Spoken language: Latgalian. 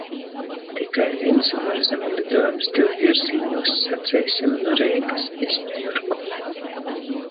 Tikai vīns uorzemu liduojums div vierzīņūs, saceisim, nu Reigys iz Ņujorku.